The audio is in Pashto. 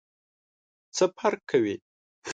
څه فرق کوي ؟